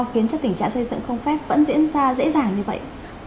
khiến cho tình trạng xây dựng không phép vẫn diễn ra dễ dàng như vậy